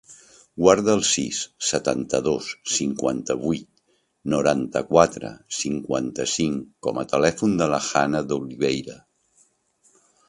Guarda el sis, setanta-dos, cinquanta-vuit, noranta-quatre, cinquanta-cinc com a telèfon de la Hannah De Oliveira.